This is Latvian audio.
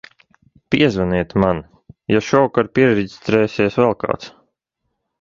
Piezvaniet man, ja šovakar piereģistrēsies vēl kāds.